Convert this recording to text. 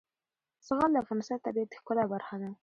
زغال د افغانستان د طبیعت د ښکلا برخه ده.